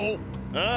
ああ。